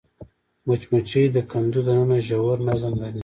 مچمچۍ د کندو دننه ژور نظم لري